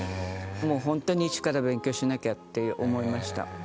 ホントに一から勉強しなきゃって思いました。